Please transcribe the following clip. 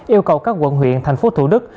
yêu cầu các quận huyện thành phố thủ đức